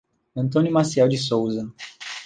Antônio Maciel de Souza